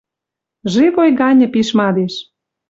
Живой ганьы пиш мадеш.